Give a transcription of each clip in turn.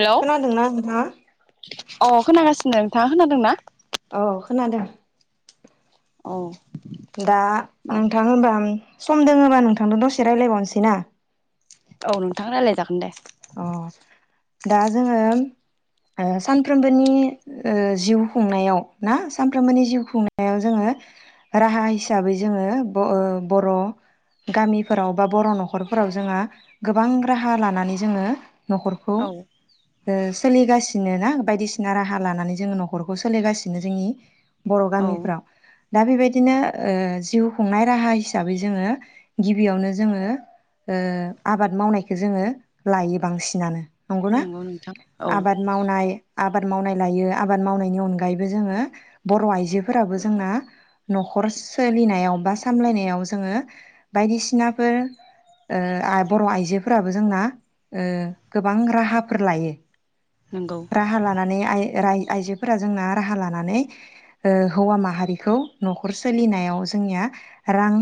Hello खोनादोंना नोंथाङा? अ खोनागासिनो थाङा खोनादोंना औ खोनादों औ दा नोंथां होनबा सम दोङोबा नोंथांजों दसे रायज्लायबावनोसै ना औ नोंथाङा रायज्लायजागोन दे अ दा जोङो ओ सानफ्रोमबोनि ओ जिउ खुंनायाव ना सानफ्रोमबोनि जिउ खुंनायाव जोङो राहा हिसाबै जोङो बे बर' गामिफोराव बा बर' न'खरफोराव जोंहा गोबां राहा लानानै जोङो न'खरखौ औ ओ सोलिगासिनो ना बायदिसिना राहा लानानै जोङो न'खरखौ सोलिगासिनो जोंनि बर' औ गामिफ्राव दा बेबायदिनो ओ जिउ खुंनाय राहा हिसाबै जोङो गिबियावनो जोङो ओ आबाद मावनायखौ जोङो लायो बांसिनानो नंगौना नंगौ नोंथां औ आबाद मावनाय आबाद मावनाय लायो आबाद मावनायनि अनगायैबो जोङो बर' आइजोफोराबो जोंना न'खर सोलिनायाव बा सामलायनायाव जोङो बायदिसिनाफोर ओ बर' आइजोफोराबो जोंना ओ गोबां राहाफोर लायो नंगौ राहा लानानै आइ राय आइजोफोरा जोंना राहा लानानै ओ हौवा माहारिखौ नखर सोलिनायाव जोंनिया रां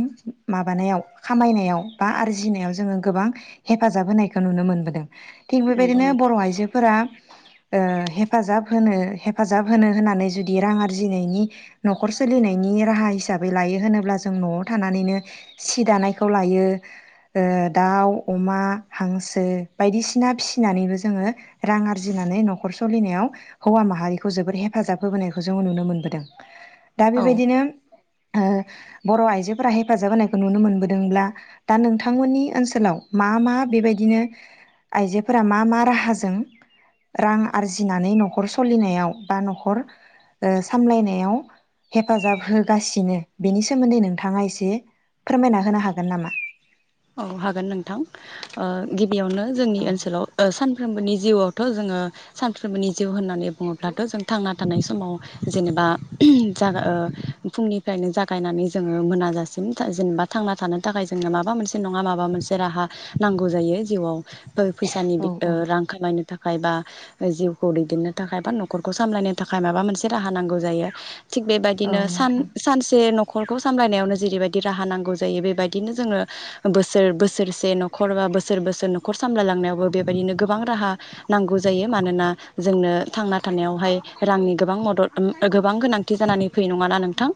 माबानायाव खामायनायाव बा आरजिनायाव जोङो गोबां हेफाजाब होनाय खौ नुनो मोनबोदों थिग नंगौ बेबायदिनो बर आइजोफोरा ओ हेफाजाब होनो हेफाजाब होनो होननानै जुदि रां आरजिनायनि नखर सोलिनायनि राहा हिसाबै लायो होनोब्ला जों नआव थानानैनो सि दानायखौ लायो ओ दाउ अमा हांसो बायदिसिना फिसिनानैबो जोङो रां आरजिनानै नखर सोलिनायाव हौवा माहारिखौ जोबोद हेफाजाब होबोनायखौ जोङो नुनो मोनबोदों दा औ बेबायदिनो ओ बर आइजोफोरा हेफाजाब होनायखौ नुनो मोनबोदोंब्ला दा नोंथांमोननि ओनसोलाव मा मा बेबायदिनो आइजोफोरा मा मा राहाजों रां आरजिनानै नखर सोलिनायाव बा नखर ओ सामलायनायाव हेफाजाब होगासिनो बेनि सोमोन्दै नोंथाङा एसे फोरमायना होनो हागोन नामा औ हागोन नोंथां ओ गिबियावनो जोंनि ओनसोलाव ओ‌ सानफ्रोमबोनि जिउआवथ जोङो सानफ्रोमबोनि जिउ होननानै बुङोब्लाथ जों थांना थानाय समाव जेनेबा जा ओ फुंनिफ्रायनो जागायनानै जोङो मोनाजासिम जेनेबा थांना थानो थाखाय जोंनो माबा मोनसे नङा माबा मोनसे राहा नांगौ जायो जिउआव फैसानि औ ओ रां खामायनो थाखाय थाखाय बा जिउखौ दैदेननो थाखाय बा नखरखौ सामलायनो थाखाय माबा मोनसे राहा नांगौ जायो थिग औ बेबायदिनो सन नोंथां सानसे न' नखरखौ सामलायनायावनो जेरैबायदि राहा नांगौ जायो बेबायदिनो जोङो बोसोर बोसोरसे नखर बा बोसोर बोसोर नखर सामलायलांनायावबो बेबायदिनो गोबां राहा नांगौ जायो मानोना जोंनो थांना थानायावहाय रांनि गोबां मदद गोबां गोनांथि जानानै फैयो नङाना नोंथां।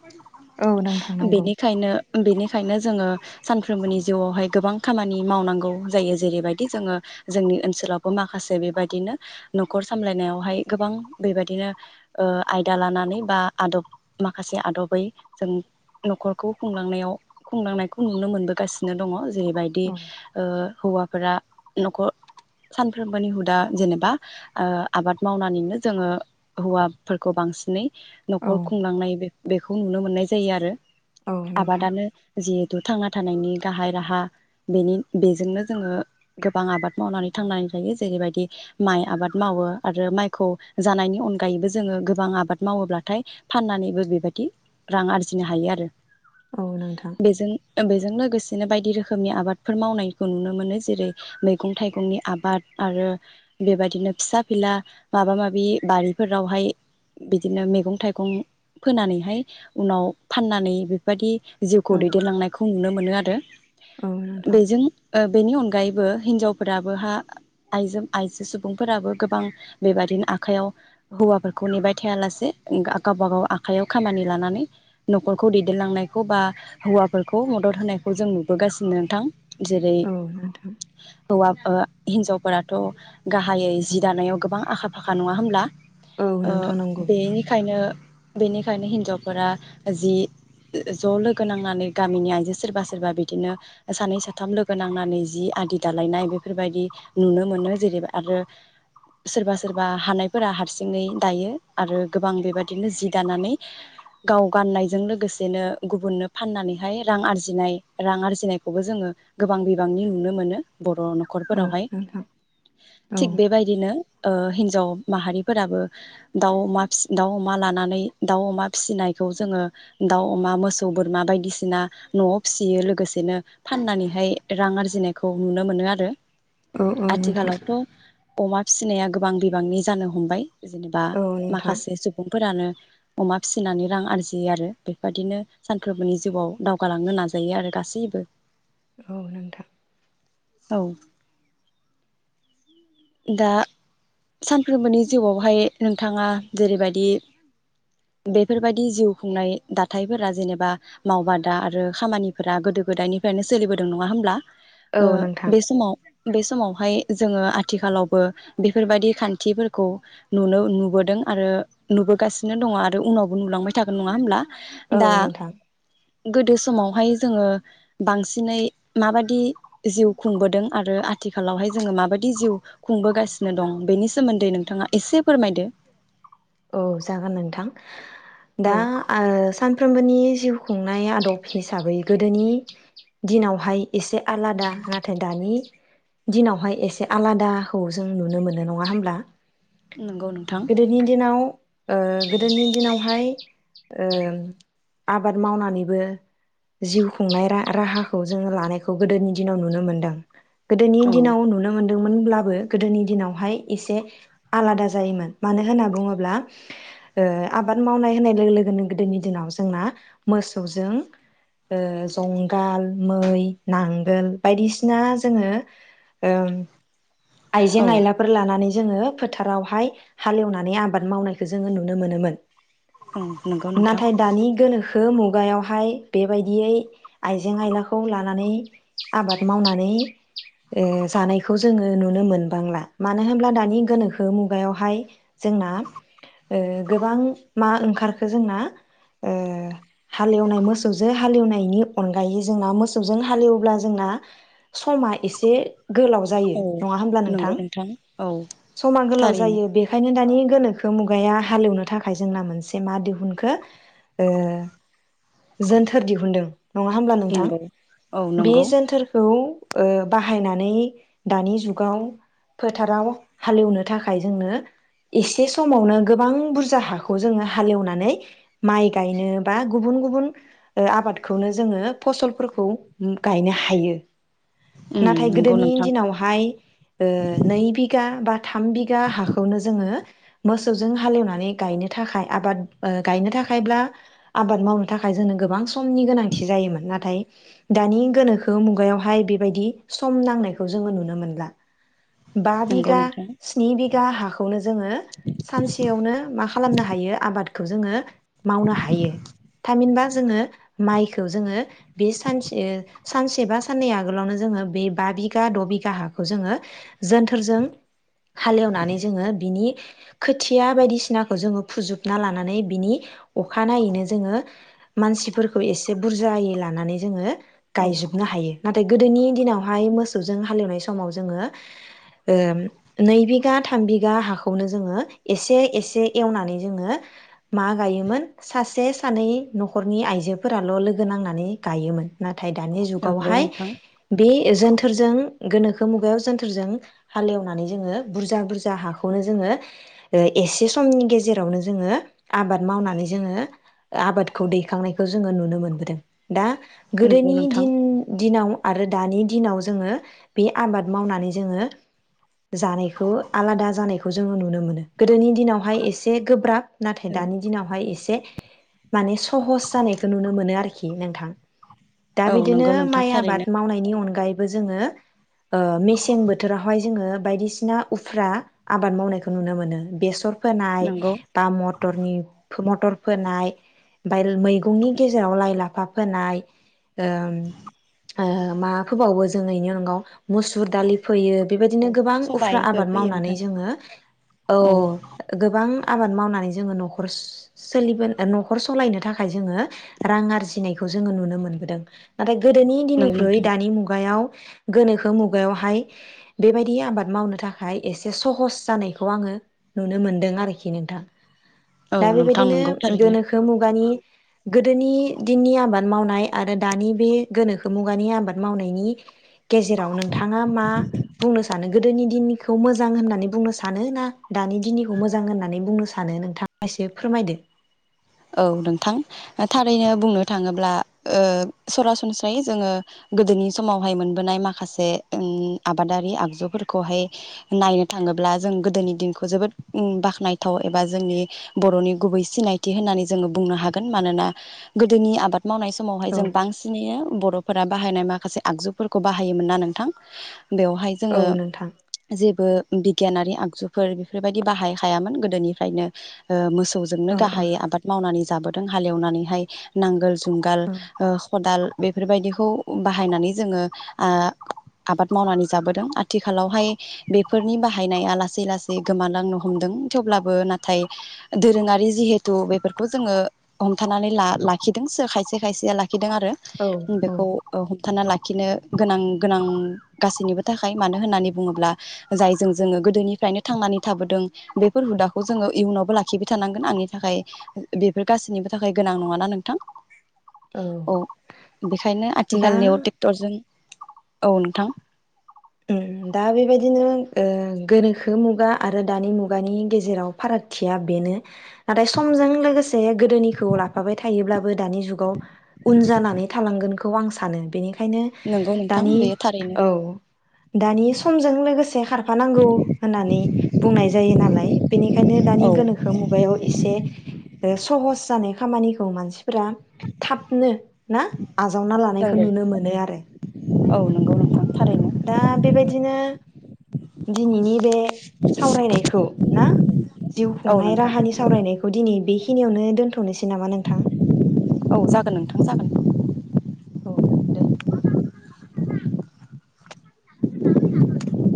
औ नोंथां नंगौ बेनिखायनो बेनिखायनो जोङो सानफ्रोमबोनि जिउआवहाय गोबां खामानि मावनांगौ जायो जेरैबायदि जोङो जोंनि ओनसोलावबो माखासे बेबायदिनो नखर सामलायनायावहाय गोबां बेबायदिनो ओ आयदा लानानै बा आदब माखासे आदबै जों नखरखौ खुंलांनायाव खुंलांनायखौ नुनो मोनबोगासिनो। नो दङ। जेरैबायदि औ ओ। हौवाफोरा नखर सानफ्रोमबोनि हुदा जेनेबा ओ आबाद मावनानैनो जोङो हौवाफोरखौ बांसिनै औ न'खर खुंलांनाय बे बेखौ नुनो मोननाय जायो आरो। औ नोंथां आबादानो जि थांना थानायनि गाहाय राहा बेनि बेजोंनो जोङो गोबां आबाद मावनानै थांनानै थायो जेरैबायदि माइ आबाद मावो आरो माइखौ जानायनि अनगायैबो जोङो गोबां आबाद मावोब्लाथाय फाननानैबो बेबायदि रां आरजिनो हायो आरो। औ नोंथां बेजों बेजों लोगोसे बिदिनो बायदि रोखोमनि आबादफोर मावनायखौ नुनो मोनो जेरै मैगं थाइगंनि आबाद आरो बेबायदिनो फिसा फिला माबा माबि बारिफोरावहाय बिदिनो मैगं थाइगं फोनानैहाय उनाव फाननानै बेबायदि जिउखौ औ दैदेनलांनायखौ नुनो मोनो आरो। औ नोंथां बेजों ओ बेनि अनग अनगायैबो हिनजावफोराबो हा आइजो आइजो सुबुंफोराबो गोबां बेबादिनो आखाइायाव हौवाफोरखौ नेबाय थायालासे गावबा गाव आखाइयाव खामानि लानानै नखरखौ दैदेनलांनायखौ बा हौवाफोरखौ मदद होनाय। खौ जों नुबोगासिनो नोंथां। जेरै औ नोंथां हौवा। हिनजावफोराथ गाहायै जि दानायाव गोबां आखा फाखा नङा होनोमब्ला। औ ओ नोंथां नंगौ बेनिखायनो। बेनिखायनो हिनजावफोरा जि ज लोगो नांनानै गामिनि आइजो सोरबा। सोरबा बिदिनो सानै साथाम लोगो नांनानै जि आदि दालायनाय बेफोरबायदि नुनो मोनो जेरै आरो सोरबा सोरबा हानायफोरा हारसिङै दायो आरो गोबां बेबायदिनो जि दानानै गाव गाननायजों लोगोसेनो गुबुननो फाननानैहाय रां आरजिनाय। रां आरजिनायखौबो जोङो गोबां बिबांनि नुनो मोनो बर'आवनो। औ नखरफोरावहाय नोंथां औ थिग बेबायदिनो। ओ हिनजाव माहारिफोराबो दाउ अमा फिस दाउ अमा लानानै दाउ अमा फिसिनायखौ जोङो दाउ अमा मोसौ बोरमा बायदिसिना न'आव। फिसियो लोगोसेनो फाननानैहाय रां आरजिनायखौ नुनो मोनो आरो। औ औ नोंथां आथिखालावथ अमा। फिसिनाया गोबां बिबांनि जानो हमबाय। जेनेबा औ नोंथां माखासे सुबुंफोरानो। अमा फिसिनानै रां आरजियो आरो बेफोरबायदिनो सानफ्रोमबोनि जिउआव दावगालांनो नाजा जायो आरो गासैबो। औ नोंथां औ दा सानफ्रोमबोनि जिउआवहाय नोंथाङा जेरैबायदि बेफोरबायदि जिउ खुंनाय दाथायफोरा जेनेबा मावबादा आरो खामानिफोरा गोदो गोदायनिफ्रायनो सोलिबोदों नङा होनब्ला औ ओ नोंथां बे समाव बे समावहाय जोङो आ थिखालावबो बेफोरबादि खान्थिफोरखौ नुनो नुबोदों आरो नुबोगासिनो दं आरो उनावबो नुलांबाय थागोन नङा होनब्ला औ नोंथां गोदो समावहाय जोङो बांसिनै माबादि जिउ खुंबोदों आरो आथिखालावहाय जोङो माबायदि जिउ खुंबोगासिनो दं बेनि सोमोन्दै नोंथाङा एसे फोरमायदो औ जागोन नोंथां दा औ ओ सान फ्रोमबोनि जिउ खुंनाय आदब हिसाबै गोदोनि दिनावहाय एसे आलादा नाथाय दानि दिनावहाय एसे आलादाखौ जों नुनो मोनो नङा होमब्ला नंगौ नोंथां गोदोनि दिनाव ओ गोदोनि दिनावहाय ओ आबाद मावनानैबो जिउ खुंनाय रा राहाखौ जोङो लानायखौ गोदोनि दिनाव नुनो मोनदों गोदोनि औ दिनाव नुनो मोनो दोंमोनब्लाबो गोदोनि दिनावहाय एसे आलादा जायोमोन मानो होनो बुङोब्ला ओ आबाद मावनाय होननाय लोगो लोगोनो गोदोनि दिनाव जोंना मोसौजों ओ जुंगाल मै नांगोल बायदिसिना जोङो ओ आइजें औ आयलाफोर लानानै जोङो फोथारावहाय हालेवनानै आबाद मावनायखौ जोङो नुनो मोनोमोन औ नंगौ नोंथां नाथाय दानि गोनोखो खो मुगायावहाय बेबायदियै आइजें आयलाखौ लानानै आबाद मावनानै ओ जानायखौ जोङो नुनो मोनबांला मानो होनोब्ला दानि गोनोखो मुगायावहाय जोंना ओ गोबां मा ओंखारखो जोंना ओ हालेवनाय मोसौजों हालेवनायनि अनगायै जोंना मोसौजों हालेवब्ला जोंना समा एसे गोलाव जायो औ नङा होमब्ला नोंथां नंगौ औ समा गोलाव थारैनो जायो बेखायनो दानि गोनोखो मुगाया हालेवनो थाखाय जोंना मोनसे मा दिहुनखो ओ जोनथोर दिहुनदों नङा होमब्ला नोंथां नंगौ औ बे नंगौ जोनथोरखौ ओ बाहायनानै दानि जुग गाव फोथाराव हालेवनो थाखाय जोंनो एसे समावनो गोबां बुरजा हाखौ जोङो हालेवनानै माइ गायनो बा गुबुन गुबुन आबादखौनो जोङो फसलफोरखौ गायनो हायो उम नाथाय नंगौ गोदोनि नोंथां दिनावहाय ओ नै बिगा बा थाम बिगा हाखौनो जोङो मोसौजों हालेवनानै गायनो थाखाय आबाद गायनो थाखायब्ला आबाद मावनो थाखाय जोंनो गोबां समनि गोनांथि जायोमोन नाथाय दानि गोनोखो मुगायावहाय बेबायदि सम नांनायखौ जोङो नुनो मोनला बा नंगौ बिगा नोंथां स्नि बिगा दा हाखौनो जोङो सानसेयावनो मा खालामनो हायो आबादखौ जोङो मावनो हायो थामहिनबा जोङो माइखौ जोङो बे सानसे सानसे बा साननै आगोलावनो जोङो बे बा बिघा द' बिघा हा खौ जोङो जोनथोरजों हालेवनानै जोङो बिनि खोथिया बायदिसिनाखौ जोङो फुजोबना लानानै बिनि अखानायैनो जोङो मानसिफोरखौ एसे बुरजायै लानानै जोङो औ गायजोबनो हायो। नाथाय गोदोनि दिनावहाय मोसौजों हालेवनाय स समाव जोङो ओ नै बिघा थाम बिघा हाखौनो जोङो एसे एसे एवनानै जोङो मा गायोमोन सासे सानै न'खरनि आइजोफोराल' लोगो नांनानै गायोमोन। ना थाय दानि नंगौ जुगावहाय नोंथां बे जोनथोरजों गोनोखो खो मुगायाव जोनथोरजों हालेवनानै जोङो बुरजा बुरजा हाखौनो जोङो एसे समनि गेजेरावनो जोङो आबाद मावनानै जोङो आबादखौ दैखांनायखौ जोङो नुनो मोनबोदों। दा नंगौ गोदोनि नोंथां दिन-दिनाव आरो दानि दिनाव जोङो बे आबाद मावनानै जोङो जानायखौ आलादा जानायखौ जोङो नुनो मोनो। गोदोनि दिनावहाय एसे गोब्राब नाथाय औ दानि दिनावहाय एसे माने सहस जानायखौ नुनो मोनो आरोखि। इ नोंथां। दा औ बिदिनो नंगौ नोंथां माइ थारैनो आबाद मावनायनि अनगायै बो जोङो ओ मेसें बोथोरावहाय जोङो बायदिसिना उफ्रा आबाद मावनायखौ नुनो मोनो। बेसर फोनाय नंगौ बा मटरनि मटर फोनाय ओमफाय मैगंनि गेजेराव लाइ लाफा फोनाय ओ ओ मा फोबावो जोङो इनि अनगा मुसुर दालि फोयो। बेबायदिनो औ गोबां उफ्रा सबायफोर आबाद फैयो मावनानै नोंथां जोङो औ गोबां आबाद मावनानै जोङो न'खर सोलिबो नखर सलायनो थाखाय जोङो रां आरजिनायखौ जोङो नुनो मोनबोदों। नाथाय गोदोनि नंगौ दिननिख्रुइ नोंथां दानि मुगायाव गोनोखो खो मुगायावहाय बेबायदि आबाद मावनो थाखाय एसे सहस जानायखौ आङो नुनो मोनदों आरोखि नोंथां। औ दा नोंथां बेबायदिनो नंगौ थारैनो गोनोखो मुगानि गोदोनि दिननि आबाद मावनाय आरो दानि बे गोनोखो मुगानि आबाद मावनायनि जेराव नोंथाङा मा बुंनो सानो? गोदोनि दिनखौ मोजां होननानै बुंनो सानो ना? दानि दिननिखौ मोजां होननानै बुंनो सानो नोंथाङा एसे फोरमायदो। औ नोंथां थारैनो बुंनो थाङोब्ला ओ सरासनस्रायै जोङो गोदोनि समावहाय मोनबोनाय माखासे ओं आबादारि आगजुफोरखौहाय नायनो थाङोब्ला जों गोदोनि दिनखौ जोबोद उम बाख्नायथाव एबा जोंनि बर'नि गुबै सिनाय थि होननानै जोङो बुंनो हागोन मानोना गोदोनि आबाद मावनाय समावहाय जों औ बांसिनैयो बर'फोरा बाहायनाय माखासे आगजुफोरखौ बाहायोमोन ना नोंथां बेवहाय औ जोङो नोंथां जेबो बिगियानारि आगजुफोर बेफोरबायदि बाहाय हायामोन गोदोनिफ्रायनो ओ मोसौ थौ जोंनो औ औ गाहाया मानि जाबोदों हालेवनानैहाय नांगोल जुंगाल ओ खदाल बेफोरबायदिखौ बाहायनानै जोङो आ आबाद मावनानै जाबोदों। आथिखालावहाय बेफोरनि बाहायनाया लासै लासै गोमालांनो हमदो थेवब्लाबो नाथाय दोरोङारि जिहे थ बेफोरखौ जोङो हमथानानै ला लाखिदोंसो खायसे खायसे लाखि लाखिदों आरो औ औ बेखौ हमथाना ला खिनो गोनां गोनां गासैनिबो थाखाय मानो होननानै बुङोब्ला जायजों जोङो गोदोनिफ्रायनो थांनानै थाबोदों बेफोर हुदाखौ जोङो इयुनावबो लाखिबाय थानांगोन आं [inaudible] औ बेखायनो आथिखालनियाव दा ट्रेक्टरजों औ नोंथां उम दा बेबायदिनो ओ गोनोखो मुगा आरो दानि मुगानि गेजेराव फारागथिया बेनो। नाथाय समजों लोगोसे गोदोनिखौ लाफाबाय थायोब्लाबो दानि जुगाव उन जानानै थालांगोन खौ आं सानो बेनि खायनो नंगौ नोंथां दानि बेयो थारैनो औ दानि समजों लोगोसे खारफानांगौ होननानै बुंनाय जायो नालाय बेनिखायनो दानि औ गोनोखो मुगायाव एसे ओ सम खस जानाय खामानिखौ मानसि फोरा थाबनो ना आजावना लानायखौ नंगौ नुनो मोनो आरो औ नोंगौ नोंथां थारै दा बेबायदिनो दिनैनि बे सावरायनायखौ ना जिउ औ खुंनाय नोंथां राहानि सावरायनायखौ दिनै बे खि खिनियावनो दोनथ थनोसै नामा नोंथां औ जागोन नोंथां जागोन औ दे [unintelligible]